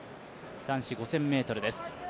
男子５０００ｍです。